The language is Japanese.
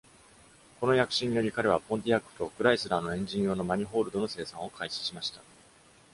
この躍進により、彼は Pontiac と Chrysler のエンジン用のマニホールドの生産を開始しました。